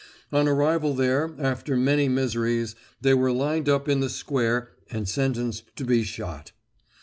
On arrival there, after many miseries, they were lined up in the square and sentenced to be shot.